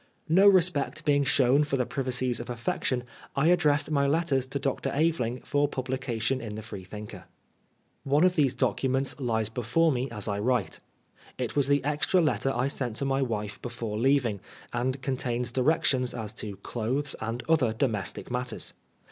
No respect being shown for the privacies of affection, I addressed my letters to Dr. Aveling for publication in the Freethinker. One of these documents lies before me as I write. It was the extra letter I sent to my wife before leaving, and contains directions as to clothes and other domes tic matters.